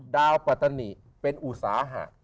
ดาวกว่าตนิเป็นอุตสาหะ